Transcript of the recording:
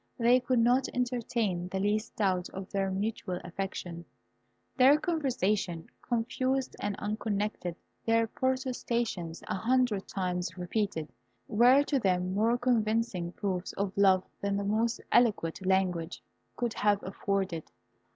They could not entertain the least doubt of their mutual affection. Their conversation, confused and unconnected, their protestations a hundred times repeated, were to them more convincing proofs of love than the most eloquent language could have afforded.